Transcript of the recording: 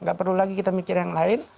gak perlu lagi kita mikir yang lain